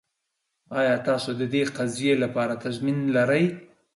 ایا تاسو د دې قضیې لپاره تضمین لرئ؟